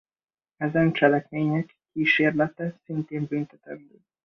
Ezen cselekmények kísérlete szintén büntetendő.